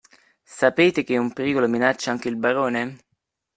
Sapete che un pericolo minaccia anche il barone?